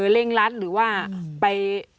เร่งรัดหรือว่าไป